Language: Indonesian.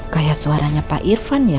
kayak suaranya pak irfan ya